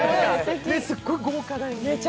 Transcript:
すっごい豪華だよね。